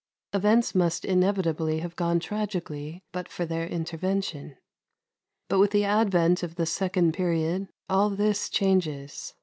Events must inevitably have gone tragically but for their intervention. But with the advent of the second period all this changes.